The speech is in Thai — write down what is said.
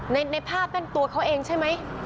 ในภาพนั่นตัวเขาเองใช่ไหม